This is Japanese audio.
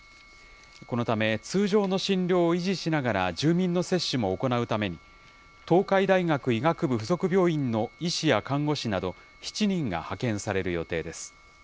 このため、通常の診療を維持しながら住民の接種も行うために、東海大学医学部付属病院の医師や看護師など７人が派遣される予定です。